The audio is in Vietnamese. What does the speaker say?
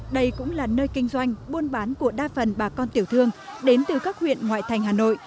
đây cũng là nơi kinh doanh buôn bán của đa phần bà con tiểu thương đến từ các huyện ngoại thành hà nội